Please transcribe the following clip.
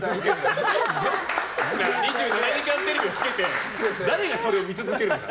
「２７時間テレビ」をつけて誰がそれを見続けるんだ。